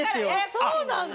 そうなんだ！